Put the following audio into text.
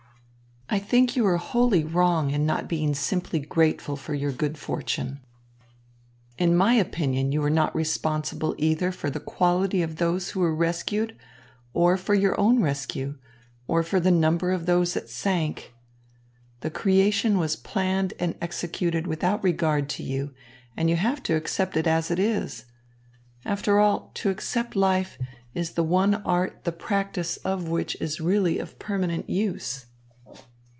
I think you are wholly wrong in not being simply grateful for your good fortune. In my opinion, you are not responsible either for the quality of those who were rescued, or for your own rescue, or for the number of those that sank. The creation was planned and executed without regard to you, and you have to accept it as it is. After all, to accept life is the one art the practice of which is really of permanent use."